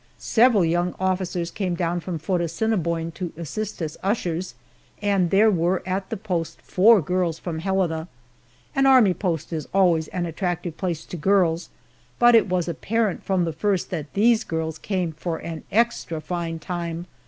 Several young officers came down from Fort Assiniboine to assist as ushers, and there were at the post four girls from Helena. An army post is always an attractive place to girls, but it was apparent from the first that these girls came for an extra fine time.